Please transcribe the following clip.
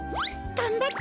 がんばって！